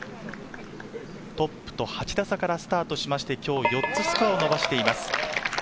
トップと８打差からスタートして、今日は４つスコアを伸ばしています。